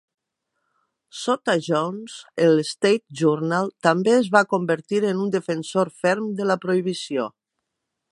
Sota Jones, el "State Journal" també es va convertir en un defensor ferm de la prohibició.